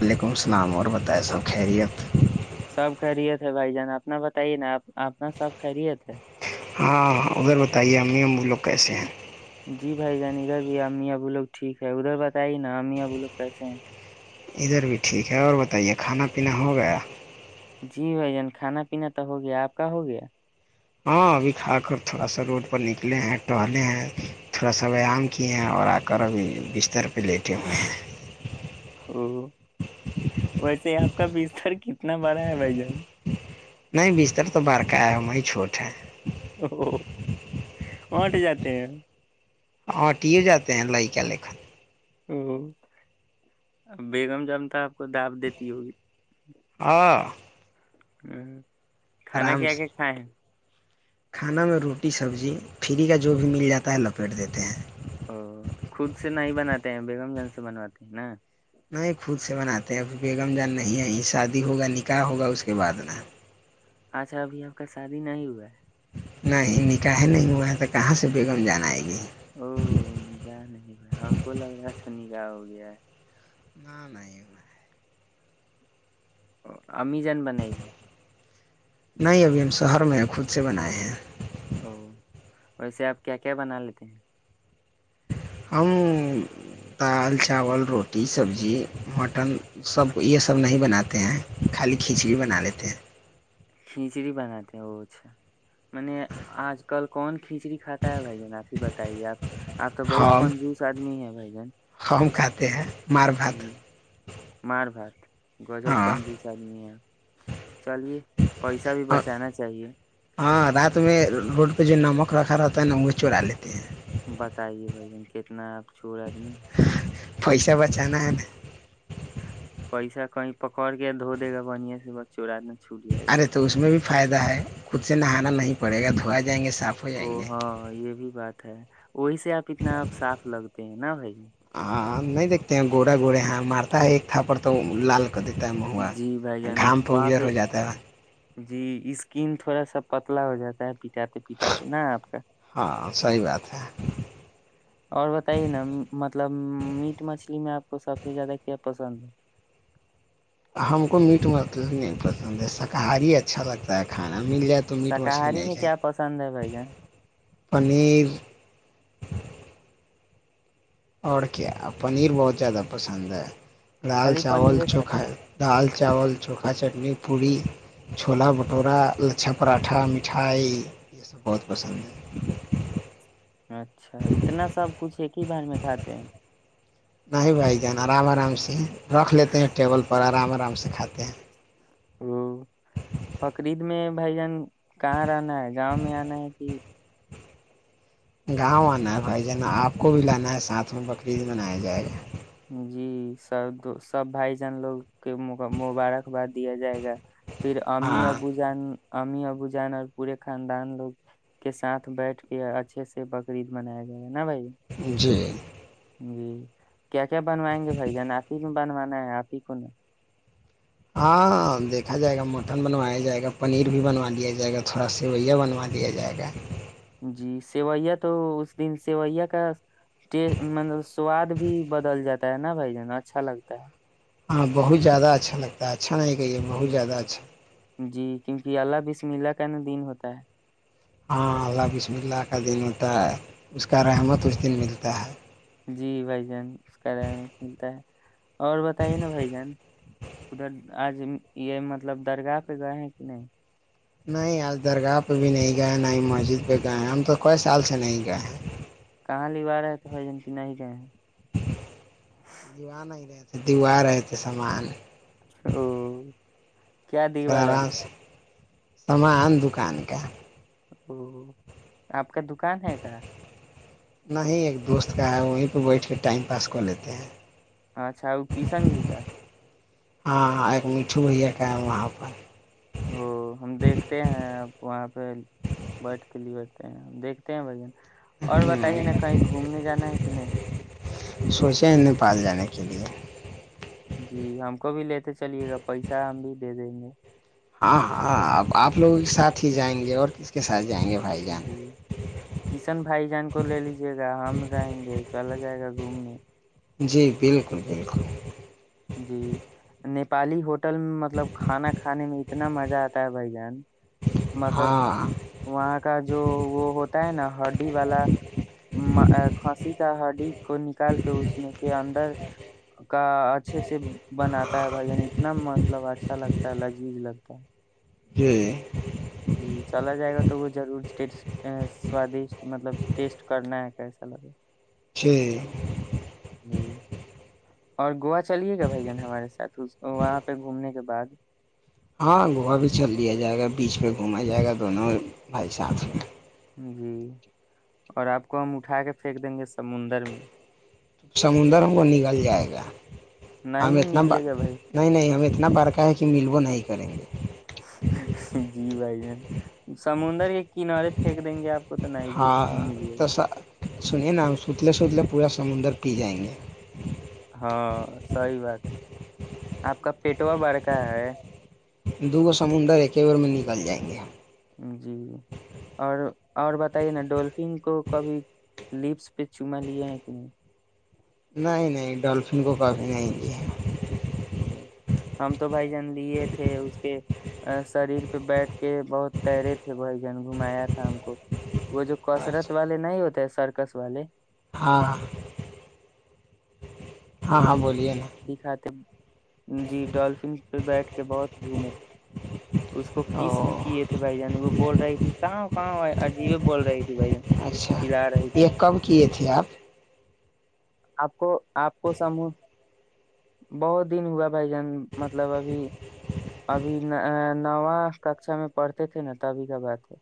وعلیکم السلام اوربتاے سب خیریت [inaudible] سب خیریت ہیں بھائی جان آپنا بتائیے نا آپ آنا سب خیریت سے ہاں ہاں ادھر بتائیے امی ابو وہ لوگ کیسے ہیں جی بھائی جان ادھر بھی امی ابو لوگ ٹھیک ہے ادھر بتائی نا امی ابو لوگ کیسے ہیں ادھر بھی ٹھیک ہے اور بتائیے کھانا پینا ہو گیا جی بھائ جان کھانا پینا تو ہو گیا آپ کا ہو گیا ہاں ابھی کھا کر تھوڑا سا روڈ پر نکلے ہیں ٹہلے ہیں تھوڑا سا ویایام کیے ہیں اور آ کر ابھی بستر پہ لیٹے ہوئے ہیں ویسے ہی آپ کا بیستر کتنا کتنا بڑا ہے بھائی جان نہیں بستر تو بار کایا وہیں چھوٹ ہے او وہٹ جاتے ہیں ہاں ٹیے جاتے ہیں لائ کے لےن ہ بیگم جامتا آپ کو داب دیتی ہوگی ہاں ہ کھانا آرام کیا آ کیا سے کھائےیں ہیں کھانا میں روٹی سبزی فری کا جو بھی مل جاتا ہے لپیٹ دیتے ہیں ا خود سے نہ ہی بناتے ہیں بیگم جنگ سے بنواتے ہیں نا ن خود سے بناتے ہیں بیگم جان نہیں ہے شادی ہوگا نکاح ہوگا اس کے بعد نا اچھا ابھی آپ کا شادی نہیں ہوا ہے نہیں نکاح نہیں ہوا تو کہاں سے بیگم جانا ہے گی او سنی کا ہو گیا ہے نہ نہیں نہیں ہاں نہیں ابھی ہم شہر میں خود سے بنائے ہیں او ویسے آپ کیا کیا بنا لیتے ہیں ہم دال چاول روٹی سبزی مٹن سب یہ سب نہیں بناتے ہیں خالی کھچڑی بنا لیتے ہیں کھچڑی بناتے ہیں وہچھا م آج کل کون کھچڑی کاتا ہے بھائی جنا آپ ہی بتائیے آپ آپ تو بہت ہم کنجوس آدمی ہے ب گن ہم کاتے ہیں مار ہ بھات مار بات گجب ہاں کن جوس آدمی ہے چلیے پیسہ بھی بچانا چاہیے ہاں رات میں روڈ پہ جو نمک رکھا رہتا ہے نا وہ چڑا لیتا بتائیے بھ جن کتنا آپ چھوور آدمی فائس کیا بچانا ہے پکوڑ کے دو دے گا بڑیا سے بچ چوںوراد ارے تو اس میں بھی فائدہ ہے خود سے نہانا نہیں پڑے گا دھویا جائیں گے س او ہاں یہ بھی بات ہے وہی سے آپ اتنا آپ صاف لگتے ہیں نا بھائی ہاں نہیں دیکتے ہیں گوڑا گوڑے یہاں مارتا ہے ایک تھا پر تو لال کو دیتا میں ہوا جی بھائی جانو گھام پہ وہاں گجر ہو جاتا ہے جی اسکین تھوڑا سا پتلا ہو جاتا ہے پٹاتے پٹاتے نہ آپ کا ہاں صحیح بات ہے اور بتائیے نا مطلب میٹ مچھلی میں آپ کو سب سے زیادہ کیا پسند ہے ہم کو میٹ مھ نہیں پسند ہے شاکاہاری اچھا لگتا ہے کھانے شاکاہاری میں کیا پسند ہے بھائی جان پنیر اور کیا پنیر بہت زیادہ پسند ہے دال خالی چاول پنیرے کھاتے چوکھا ہیں دال ال چاول چوکھا چٹنی پوری چھولا بھٹورا لچھا پراٹھا مٹھائی یہ سب بہت پسند ہے اچھا اتنا سب کچھ ہے کی بار میں کھاتے ہیں نہ ہی بھائی جان آرام آرام سے رکھ لیتے ہیں ٹیبل پر آرام آرام سے کھاتے ہیں ہ [unintelligible] بقرید میں بھائی جان کہاں رہنا ہے گاؤں میں آنا ہے کہ گاؤں آنا ہے بھائی ج نا آپ کو بھی لانا ہے ساتھ میں بکرریید بنایا جائے گا جی سب سب بھائی جان لوگ کے مبارکباد دیا جائے گا پھر امی ہاں ابو جان امی ابو جان اور پورے خاندان لوگ کے ساتھ بیٹھ کے اچھے سے بقرعید بنایا گیا جی جی کیا کیا بنوائیں گے بھائی جان آپ ہی کو بنوانا ہے آپ ہی کو نا ہاں دیکھا جائے گا مٹن بنوایا جائے گا پنیر بھی بنوا لیا جائے گا تھوڑا سیویا بنوا دیا جائے گا جی سیوئیا تو اس دن سیوئیا کا ٹی مطلب سواد بھی بدل جاتا ہے نا بھائی جان اچھا لگتا ہے ہاں بہت زیادہ اچھا لگتا ہے اچھا کھان کہ بہت زیادہ ا میلا کا ن دن ہوتا ہے ہاں اللہ بسم اللہ کا دن ہوتا ہے اس کا رحمت اس دن ملتا ہے جی بھائی جان اس کا رہ ملتا ہے اور بتائیے نا بھائی جان ادھر آج یہ مطلب درگاہ پہ گئے ہیں کہ نہیں نہیں آج درگاہ پہ بھی نہیں گئے ن ہی مسجد پہ گئے ہیں ہم تو کوئی سال سے نہیں گئے ہیں کہاں لوا رہے تھ بھائی جن کینا ہی جائے دیوا نہیں رہتے دیوا رہے تھے سامان او کیا تھوڑا دیوار ہے آرام سے سامان دکان کا او آپ کا دکان ہے کیا نہ ہی ایک دوست کا ہے وہیں پہ بیٹھ کے ٹائم پاس کر لیتے ہیں اچھا وہ کشن جی کا ہاں ایک مٹھو بھیا کا وہاں پر ا ہم دیکھتے ہیں وہاں پہ بٹ کلی دھتے ہیں بھن اور بتائیے نا ہوں کہیں گھومنے جانا ہے کہ نہیں سوچیں نیپال جانے کے لیے جی ہم کو بھی لیتے چلیے گا پیسہ ہم بھی دے دیں گے ہاں ہاں آپ لوگوں کے ساتھ ہی جائیں گے اور کس کے ساتھ جائیں گے بھائی جان جی کشن بھائی جان کو لے لیجے گا ہم رہیں گے چل جائے گا گھومنے جی بلکل بلکل جی نیپالی ہوٹل میں مطلب کھانا کھانے میں اتنا مزہ آتا ہے بھای جان مطلب ہاں وہاں کا جو وہ ہوتا ہے نہ ہڈی والا کھسی کا ہڈی کو نکال کے اس میں کے اندر کا اچھے سے بناتا ہے بھائی جان اتنا مطلب اچھا لگتا ہے لذیذ لگتا ہے جی جی چلا جائے گا تو وہ ضرور‌ ٹیسٹ سوادشٹ مطلب ٹیسٹ کرنا ہے کیسا لگا جی اور گووا چلیے گا بھائی جان ہمارے ساتھ وہاں پہ گھومنے کے بعد ہاں گووا بھی چل لیا جائے گا بیچ پہ گھوما جائے گا دونوں بھائی ساتھ میں جی اور آپ کو ہم اٹھا کے پھینک دیں گے سمندر میں سمندر ہم کو نگل جائے گا نہیں ہم نا اتنا نکلے گا بھائی نہیں نہیں ہم اتنا اتنا برقہ ہے کہ مل وہ نہیں کریں گے جی بھائی جان سمندر کے کنارے پھینک دیں گے آپ کو تو نہیں ہاں ملے گا تسا سنیے نہ ہم ستلے سوتلے پورا سمندر پی جائیں گے ہاں سہی بات ہے آپ کا پیٹوا بڑکا ہے دو گز سمندر ایک ہی بار میں نگل جائیں گے ہم جی اور اور بتائیے نہ ڈولفن کو کبھی لپس پہ چوما لیا ہے کہ نہیں نہیں نہیں ڈولفن کو کبھی نہیں لیا ہے ہم تو بھائی جان لیے تھے اس کے شریر پہ بیٹھ کے بہت تیرے تھے بھائی جان گھمایا تھا ہم کو وہ جو کسرت والے نہیں ہوتے سرکس والے ہاں ہاں ہاں بولیے نا دکھاتے جی ڈالفنس پہ بیٹھ بہت گھومے ہے اس کو او کس بھی کیے تھے بھائی جان وہ بول رہی تھی کہاں ہاں بھائی عجیب بول رہی تھی بھائی اچھا چلا رہی تھی یہ کب کیے تھے آپ آپ کو آپ کو سمو بہت دن ہوا بھائی جان مطلب ابھی ابھی نواں ککشا میں پڑھتے تھے نا تبھی کا بات ہے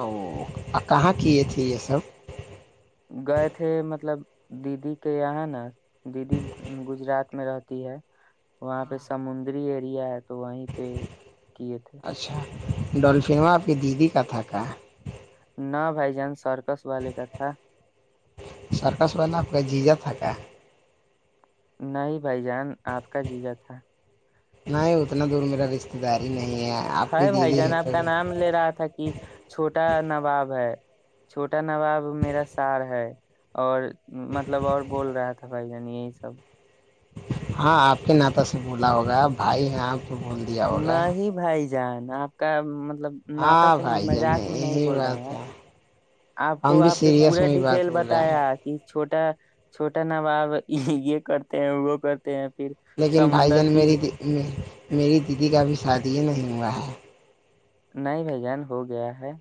او کہاں کی ا تھی یہ سب گئے تھے مطلب دیدی کے یہاں ہے نا دیدی گجرات میں رہتی ہے وہاں پہ سمندری ایریا تو وہیں پہ کیے تھے ڈولفین میں آپی دیدی کاتھ کا نہ بائی جان سر سرکس والپ جی جا تھا کت نہیں بھائی جان آپ کا جیزا تھا نہیں اتنا دور میرا رشتے دار ہی نہیں آپ ہے کی بھائی دیدی جان ہے آپ کا تو نام لے رہا تھا کہ چھوٹا نواب ہے چھوٹا نواب میرا سار ہے اور مطلب اور بول رہا تھا بھائی جانی یہ سب ہاں آپ کے ناتا سے بولا ہوگا بھائی آپ کو بول دیا ہوگا نہیں ہی بھائی جائا آپ کا مب مطلب ناتا ہاں سے نہیں بھائی جان مذاق میں نہیں یہی بول بات رہے ہے ہیں آپ ہم کو بھی آپ کے سیریس پورے میں بھی بات ڈیٹیل بول رہے ہیں بتایا کہ چھوٹی ا چھوٹا نا باب یہ کرتے ہیں وہ کرتے ہیں پھر لیکن بھائی سمندر جان م پی ج- میری دیدی کا بھی سارھ یہ نہیں ہوا ہے نہیں بھ جان ہو گیا ہے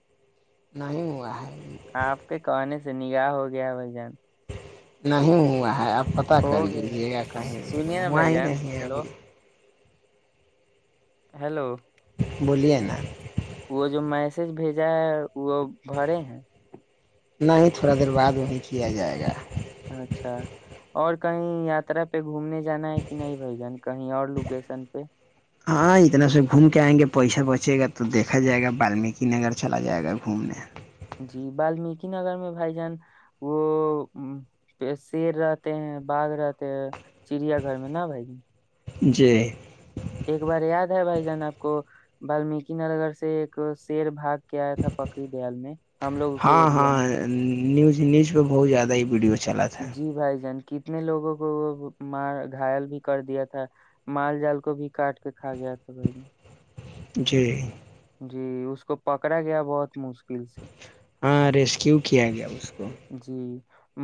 نہیں ہوا ہے آپ کے کہنے سے نگاہ ہو گیا بھائی جان نہیں ہوا ہے آپ پتاہ ہو کر گیا ہے لیجیے ا کہیں بھی سنیے نا وہاں بھائی ہی جان نہیں ہے ابھی ہیلو ہیلو بولیے نا وہ جو میسج بھیجا ہے وہ بھرے ہیں نہیں تھوڑا دیر بعد وہیں کیا جائے گا اچھا اور کہیں یاترا پہ گھومنے جانا ہے کہ نہیں بھ جن کہیں اور لوکیشن پہ چے گا تو دیکھا جائے گا بالمیک نگر چلا جائے گا گھومنے جی بالمیک نگر میں بھائی جان وہ شیر رہتے ہیں باغ رہتے ہیں چڑیا گھر میں نا بھائی جان جی ایک بار یاد ہے بھائی جان آپ کو بمیک نگر سے ایک شیر بھاگ کیایا تھا پکڑری دیال میں ہم لوگوں کے ہاں ایریا میں ہاں نیوز نیوز پہ بہت زیادہ ہی پیڑی ہے جی بھائی جن کتنے لوگوں کو وہ مار گائل بھی کر دیا تھا مال جال کو بھی کاٹ کے کھا گیا تھا بھائی نے جی جی اس کو پکڑا گیا بہت مشکل سے ہاں ریسکیو کیا گیا اس کو جی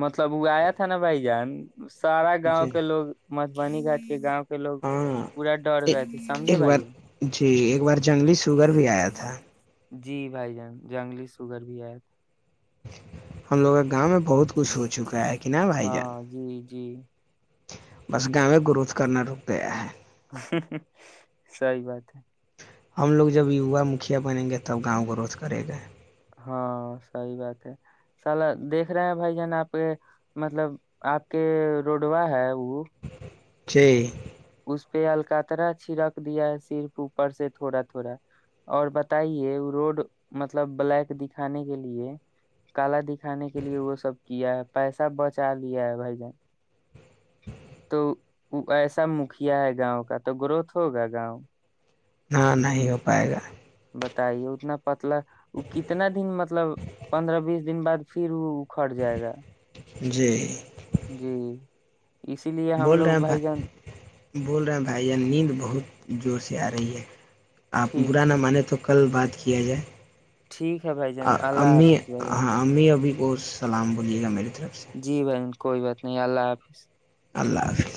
مطلب وہ آیا تھا نا بھائی جان سارا گاؤں جی کے لوگ [unintelligible] ہاں پورا ڈر ایک گئے تھے سمجھے ایک بھائی بار جان جی ایک بار جنگلی سوگر بھی آیا تھا بھائی جان جنگلی سور بھی ایا تھا ہم لوگ گاؤں میں بہت کچھ ہو چکا ہے کہ نا تھا بھائی جان ہاں جی جی بس گا میں گروتھ کرنا رک گیا ہے صحیح بات ہے ہم لوگ جب یوا مکھیا بنیں گے تب گاؤں کو روھ کرے گے ہاں صحی بات ہے سل دیکھ رہے ہیں بھائی جان آپ کے مطلب آپ کے روڈوا ہے وہ جی اس پہ الکاترا چھڑک دیا ہے صرف اوپر سے تھوڑا تھوڑا اور بتائیے روڈ مطلب بلیک دکھانے کے لیے کالا دکھانے کے لیے وہ سب کیا ہے پیسہ بچا لیا ہے بھائی جان تو ایسا دکھیا ہے گاؤں کا تو گروتھ ہوگا گاؤں ہاں نہیں ہو پائے گا بتائیے اتنا پتلا وہ کتنا دن مطلب پندرہ بیس دن بعد پھر وہ اکھڑ جائے گا جی جی [unintelligible] اسی لیے ہم بول رہے لوگ ہیں بھائی جن بول رہے ہیں بھائی جان نیند بہت جوڑ سے ا رہی ہے آپ برا ٹھیک ہے نہ مانے تو کل بات کیا جائے ٹھیک ہے بھائی جان اللہ امی حافظ بھائی جان ہ امی ابھی اور سلام بولیے گا میرے جی بھائی کوئی بات نہیں اللہ حافظ اللہ حافظ